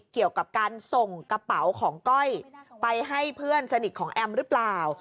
เกี่ยวกับการส่งกระเป๋าของก้อยไปให้เพื่อนสนิทของแอมหรือเปล่า